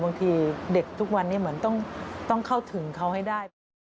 บางทีเด็กทุกวันนี้เหมือนต้องเข้าถึงเขาให้ได้